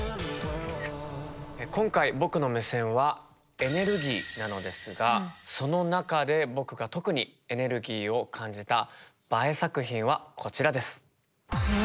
今回僕の目線は「エネルギー」なのですがその中で僕が特にエネルギーを感じたＢＡＥ作品はこちらです。